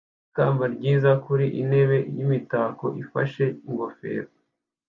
ikamba ryiza kuri intebe yimitako ifashe ingofero.